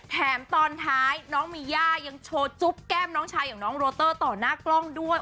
แถมตอนท้ายน้องมีย่ายังโชว์จุ๊บแก้มน้องชายอย่างน้องโรเตอร์ต่อหน้ากล้องด้วย